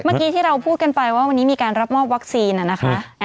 เมื่อกี้ที่เราพูดกันไปว่าวันนี้มีการรับมอบวัคซีนนะคะ